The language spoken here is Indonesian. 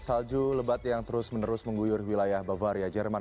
salju lebat yang terus menerus mengguyur wilayah bavaria jerman